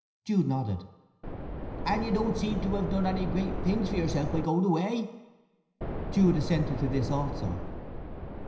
Jude nodded. "An' you don't seem to have done any great things for yourself by going away?" Jude assented to this also.